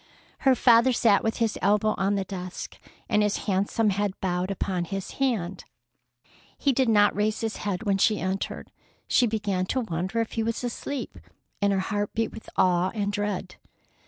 Her father sat with his elbow on the desk, and his handsome head bowed upon his hand. He did not raise his head when she entered. She began to wonder if he was asleep, and her heart beat with awe and dread.